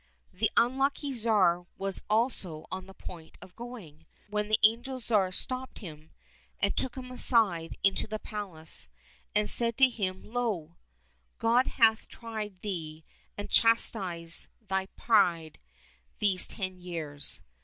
The unlucky Tsar was also on the point of going, when the angel Tsar stopped him, and took him aside into the palace, and said to him, " Lo ! God hath tried thee and chastised thy pride these ten years.